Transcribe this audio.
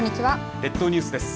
列島ニュースです。